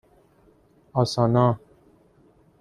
آسانا